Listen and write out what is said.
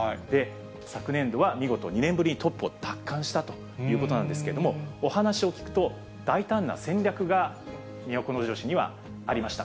昨年度は見事、２年ぶりにトップを奪還したということなんですけれども、お話を聞くと、大胆な戦略が都城市にはありました。